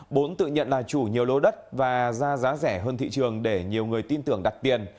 bốn tự nhận là chủ nhiều lô đất và ra giá rẻ hơn thị trường để nhiều người tin tưởng đặt tiền